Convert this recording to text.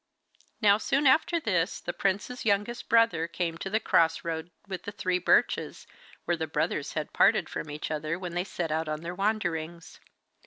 Now soon after this the prince's youngest brother came to the cross roads with the three birches, where the brothers had parted from each other when they set out on their wanderings.